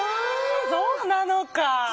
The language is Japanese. そうなのか！